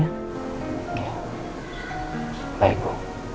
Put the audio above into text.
ya baik bu